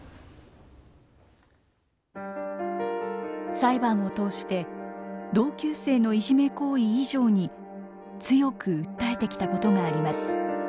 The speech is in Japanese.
裁判を通して同級生のいじめ行為以上に強く訴えてきたことがあります。